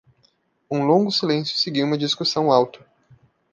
Um longo silêncio seguiu uma discussão alta.